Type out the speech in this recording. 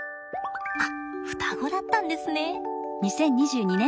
あっ双子だったんですね！